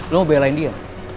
lo mau belain dia